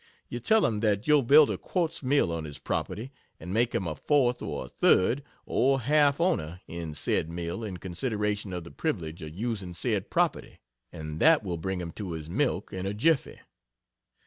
You tell him that you'll build a quartz mill on his property, and make him a fourth or a third, or half owner in said mill in consideration of the privilege of using said property and that will bring him to his milk in a jiffy.